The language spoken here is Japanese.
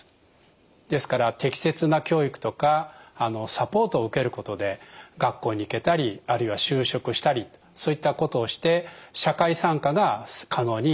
ですから適切な教育とかサポートを受けることで学校に行けたりあるいは就職したりそういったことをして社会参加が可能になっていきます。